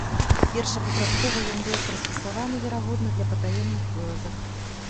Першапачаткова ён быў прыстасаваны, верагодна, для патаемных вылазак.